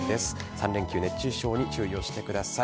３連休熱中症に注意をしてください。